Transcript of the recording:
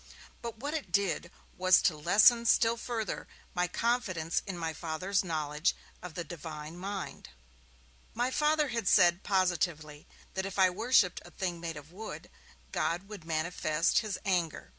But what it did was to lessen still further my confidence in my Father's knowledge of the Divine mind. My Father had said, positively, that if I worshipped a thing made of wood, God would manifest his anger.